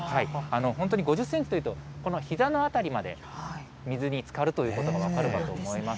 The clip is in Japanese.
本当に５０センチというと、このひざの辺りまで、水につかるということが分かるかと思います。